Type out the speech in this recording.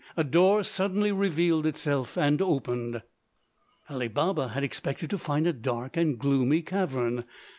a door suddenly revealed itself and opened. Ali Baba had expected to find a dark and gloomy cavern.